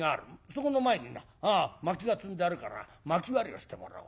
そこの前にな薪が積んであるから薪割りをしてもらおう。